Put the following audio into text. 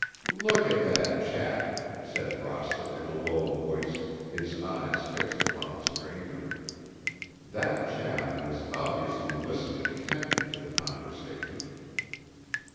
"Look at that chap!" said Rosser in a low voice, his eyes fixed upon the stranger. That chap was obviously listening intently to the conversation.